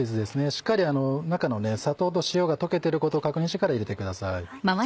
しっかり中の砂糖と塩が溶けてることを確認してから入れてください。